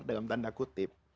dalam tanda kutip